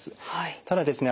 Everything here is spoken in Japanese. ただですね